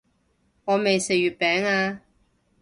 我未食月餅啊